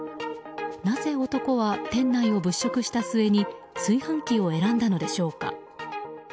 なぜ男は、店内を物色した末に炊飯器を選んだのでしょうか。